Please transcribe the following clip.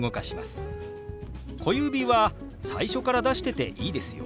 小指は最初から出してていいですよ。